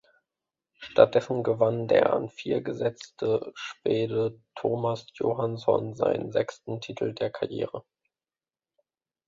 Stattdessen gewann der an vier gesetzte Schwede Thomas Johansson seinen sechsten Titel der Karriere.